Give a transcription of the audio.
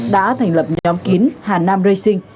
đã thành lập nhóm kín hàn nam racing